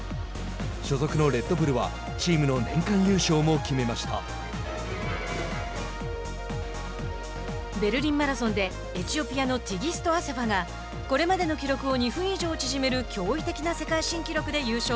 所属のレッドブルはベルリンマラソンでエチオピアのティギスト・アセファがこれまでの記録を２分以上縮める驚異的な世界新記録で優勝。